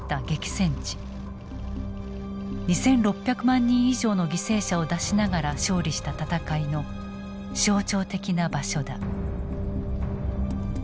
２，６００万人以上の犠牲者を出しながら勝利した戦いの象徴的な場所だ。